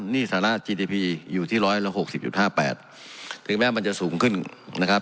หนี้สานะจีดีพีอยู่ที่ร้อยละหกสิบจุดห้าแปดถึงแม้มันจะสูงขึ้นนะครับ